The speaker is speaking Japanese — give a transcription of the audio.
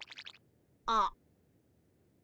あっ。